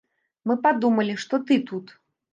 Мы падумалі, што ты тут.